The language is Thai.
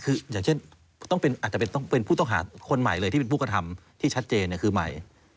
คืออย่างเช่นอาจจะเป็นผู้ต้องหาคนใหม่เลยที่เป็นผู้กระทำที่ชัดเจนคือใหม่